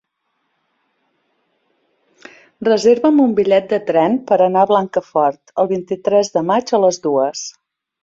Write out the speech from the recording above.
Reserva'm un bitllet de tren per anar a Blancafort el vint-i-tres de maig a les dues.